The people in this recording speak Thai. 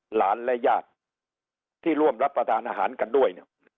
หลานและญาติที่ร่วมรับประทานอาหารกันด้วยเนี่ย